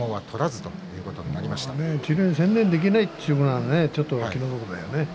治療に専念できないっていうのはちょっと気の毒だよね。